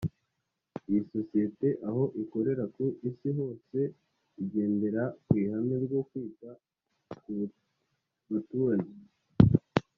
Iyi sosiyete aho ikorera ku isi hose igendera ku ihame ryo kwita ku baturage